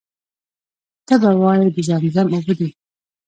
ته به وایې د زمزم اوبه دي.